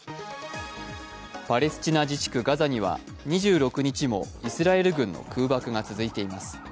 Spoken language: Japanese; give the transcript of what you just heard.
パレスチナ自治区ガザには２６日もイスラエル軍の空爆が続いています。